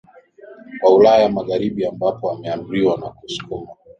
kwa Ulaya Magharibi ambapo ameamriwa na kusukuma